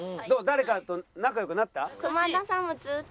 誰かと仲良くなった？